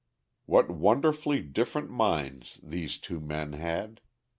What wonderfully different minds these two men had.